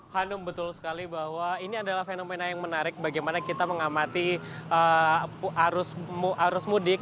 hanum betul sekali bahwa ini adalah fenomena yang menarik bagaimana kita mengamati arus mudik